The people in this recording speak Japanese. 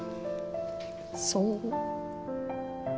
そう？